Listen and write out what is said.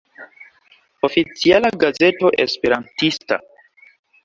Oficiala Gazeto Esperantista.